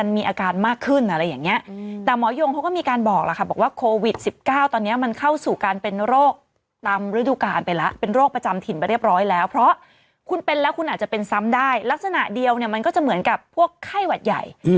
มันก็จะเหมือนกับพวกไข้หวัดใหญ่